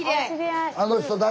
あの人誰？